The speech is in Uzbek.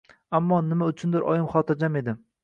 Ammo nima uchundir oyim xotirjam edi.